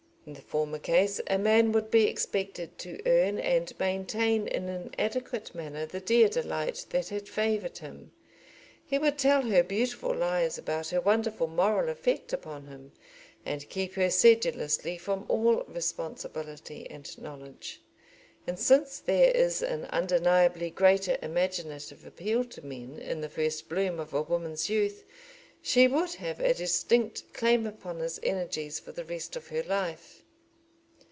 In the former case a man would be expected to earn and maintain in an adequate manner the dear delight that had favoured him. He would tell her beautiful lies about her wonderful moral effect upon him, and keep her sedulously from all responsibility and knowledge. And, since there is an undeniably greater imaginative appeal to men in the first bloom of a woman's youth, she would have a distinct claim upon his energies for the rest of her life.